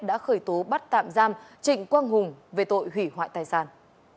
đã khởi tố bắt tạm giam trịnh quang hùng về tội hủy hoại tài sản